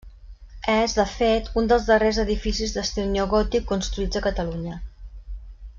És, de fet, un dels darrers edificis d'estil neogòtic construïts a Catalunya.